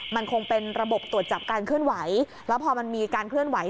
มันคงเป็นระบบตรวจจับการเคลื่อนไหวแล้วพอมันมีการเคลื่อนไหว